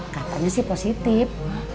katanya sih positif